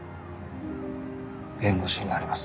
弁護士になります。